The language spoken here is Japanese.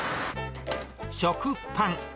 食パン。